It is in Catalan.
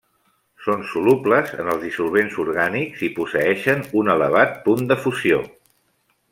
Són solubles en els dissolvents orgànics, i posseeixen un elevat punt de fusió.